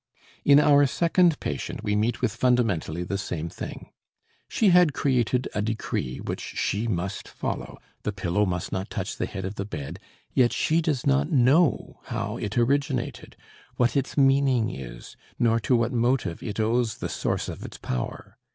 In our second patient we meet with fundamentally the same thing. She had created a decree which she must follow: the pillow must not touch the head of the bed; yet she does not know how it originated, what its meaning is, nor to what motive it owes the source of its power.